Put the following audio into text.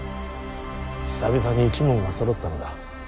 久々に一門がそろったのだ。